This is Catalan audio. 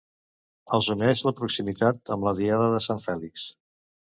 els uneix la proximitat amb la diada de Sant Fèlix